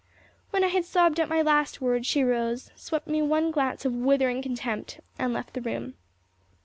When I had sobbed out my last word she rose, swept me one glance of withering contempt, and left the room.